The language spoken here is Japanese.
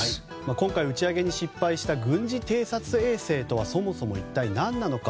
今回、打ち上げに失敗した軍事偵察衛星とはそもそも一体何なのか。